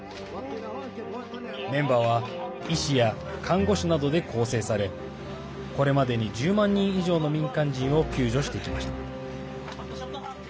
メンバーは医師や看護師などで構成されこれまでに１０万人以上の民間人を救助してきました。